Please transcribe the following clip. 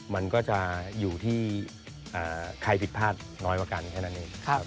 มันก็จะอยู่ที่ใครผิดพลาดน้อยกว่ากันแค่นั้นเอง